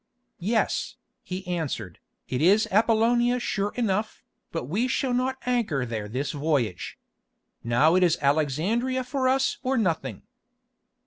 "Yes," he answered, "it is Appolonia sure enough, but we shall not anchor there this voyage. Now it is Alexandria for us or nothing."